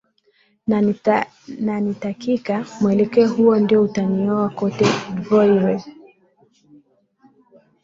na nitakika mwelekeo huo ndio utunaiona cote dvoire